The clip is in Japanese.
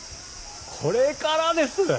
これからです。